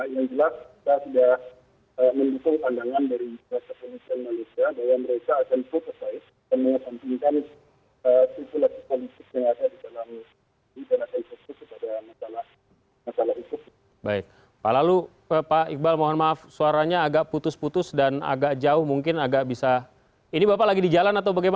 yang jelas kalau di saibergaya artinya kondisi pengamanannya lebih baik